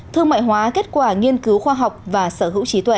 thương mại hóa kết quả nghiên cứu khoa học và sở hữu trí tuệ